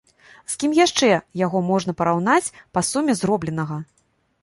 З кім яшчэ яго можна параўнаць па суме зробленага?